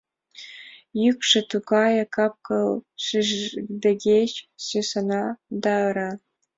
Йӱкшӧ тугае Кап-кыл шиждегеч сӱсана да ыра.